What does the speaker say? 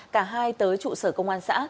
cả hai tới trụ sở công an xã